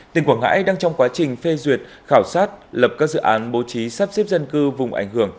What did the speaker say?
tỉnh quảng ngãi đang trong quá trình phê duyệt khảo sát lập các dự án bố trí sắp xếp dân cư vùng ảnh hưởng